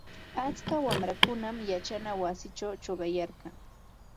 Atska wamrakunam yachana wasichaw chuqayarkan.